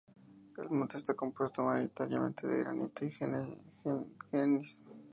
El monte está compuesto mayoritariamente de granito y gneis.